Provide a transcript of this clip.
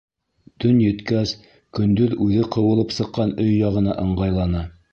Төн еткәс, көндөҙ үҙе ҡыуылып сыҡҡан өй яғына ыңғайланы.